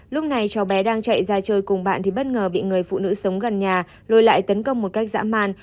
lúc này cháu bé đang chạy ra chơi cùng bạn thì bất ngờ bị người phụ nữ sống gần nhà rồi lại tấn công một cách dã man